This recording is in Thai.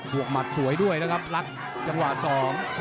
วกหมัดสวยด้วยนะครับรัดจังหวะสอง